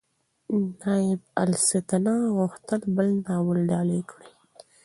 نایبالسلطنه غوښتل بل ناول ډالۍ کړي.